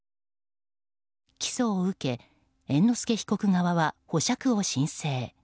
起訴を受け猿之助被告側は保釈を申請。